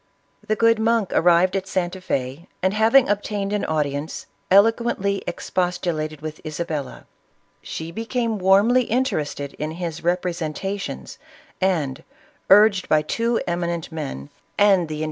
The good monk arrived at Santa F<5, and having obtained an audience, eloquently expostulated with Isabella. She became warmly interested in his repre sentations, and urged by two eminent men and the in 116 ISABELLA OF CASTILE.